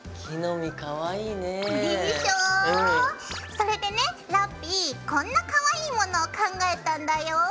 それでねラッピィこんなかわいいものを考えたんだよ！